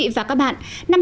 quý vị và các bạn